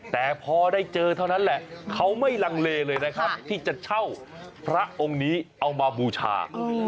แต่พอได้เจอเท่านั้นแหละเขาไม่ลังเลเลยนะครับที่จะเช่าพระองค์นี้เอามาบูชา